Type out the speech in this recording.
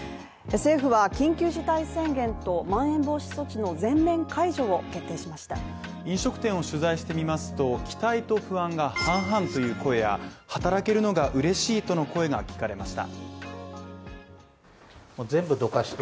政府は緊急事態宣言とまん延防止措置の全面解除を決定しました飲食店を取材してみますと、期待と不安が半々という声や、働けるのが嬉しいとの声が聞かれました。